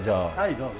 どうぞ。